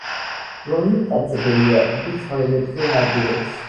ლომი მტაცებელია იგი ცხოველებზე ნადირობს